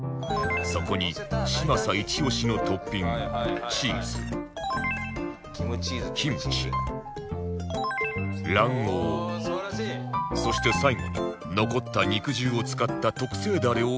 そこに嶋佐イチオシのトッピングチーズキムチ卵黄そして最後に残った肉汁を使った特製ダレをかければ